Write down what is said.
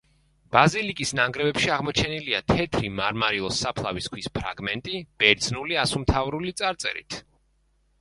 ბაზილიკის ნანგრევებში აღმოჩენილია თეთრი მარმარილოს საფლავის ქვის ფრაგმენტი, ბერძნული ასომთავრული წარწერით.